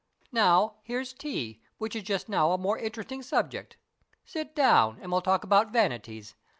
Now, here's tea, which is just now a more interesting subject. Sit down, and we'll talk about vanities.